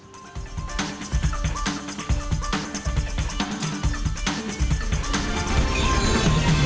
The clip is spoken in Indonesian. di dki jakarta